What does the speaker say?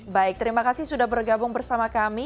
baik terima kasih sudah bergabung bersama kami